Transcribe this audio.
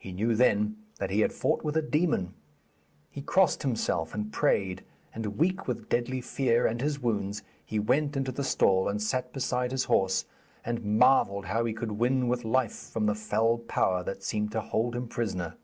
He knew then that he had fought with a demon. He crossed himself and prayed, and weak with deadly fear and his wounds, he went into the stall and sat beside his horse, and marvelled how he could win with life from the fell power that seemed to hold him prisoner.